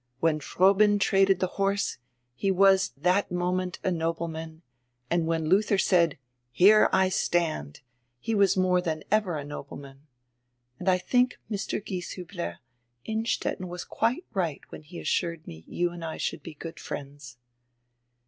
When Froben traded die horse, he was diat moment a nobleman, and when Ludier said, "here I stand," he was more dian ever a nobleman. And I diink, Mr. Gieshiibler, Innstetten was quite right when he assured me you and I should be good friends."